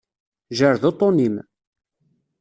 Jerred uṭṭun-im.